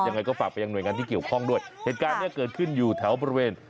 ยังไงก็ฝากไปยังหน่วยงานที่เกี่ยวข้องด้วยเหตุการณ์เนี้ยเกิดขึ้นอยู่แถวบริเวณ